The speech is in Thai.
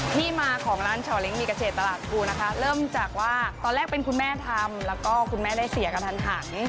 ที่มาของร้านช่อเล้งมีเกษตรตลาดภูนะคะเริ่มจากว่าตอนแรกเป็นคุณแม่ทำแล้วก็คุณแม่ได้เสียกระทันหัน